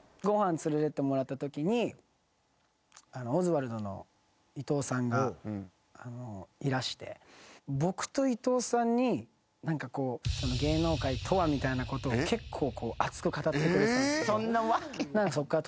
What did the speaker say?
オズワルドの伊藤さんがいらして僕と伊藤さんに何かこう「芸能界とは」みたいなことを結構こう熱く語ってくれてたんですけど。